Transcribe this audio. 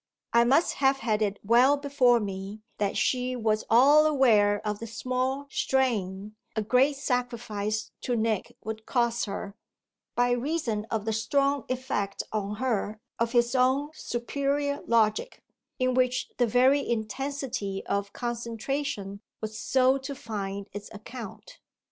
I must have had it well before me that she was all aware of the small strain a great sacrifice to Nick would cost her by reason of the strong effect on her of his own superior logic, in which the very intensity of concentration was so to find its account.